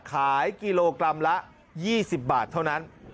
ขายกิโลกรัมละ๒๐บาทเท่านั้น